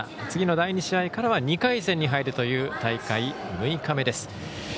次の第２試合からは２回戦に入るという大会６日目です。